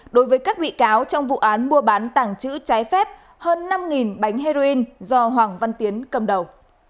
đối với các bị cáo trong vụ án mua bán tàng trữ trái phép hơn năm bánh heroin do hoàng văn tiến cầm đầu